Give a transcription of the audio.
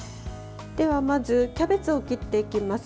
では、まずキャベツを切っていきます。